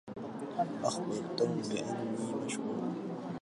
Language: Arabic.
أخبر توم بأني مشغول.